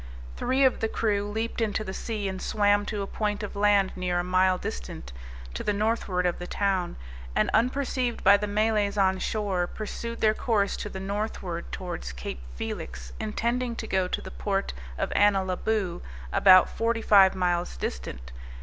Three of the crew leaped into the sea, and swam to a point of land near a mile distant, to the northward of the town; and, unperceived by the Malays on shore, pursued their course to the northward towards Cape Felix, intending to go to the port of Annalaboo, about forty five miles distant.